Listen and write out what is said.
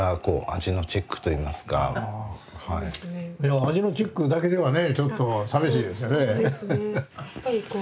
味のチェックだけではねちょっと寂しいですよね。